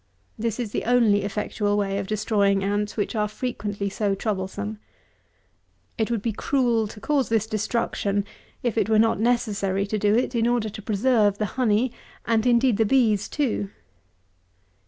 This is the only effectual way of destroying ants, which are frequently so troublesome. It would be cruel to cause this destruction, if it were not necessary to do it, in order to preserve the honey, and indeed the bees too.